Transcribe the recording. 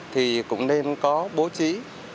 thì cũng nên có bố trí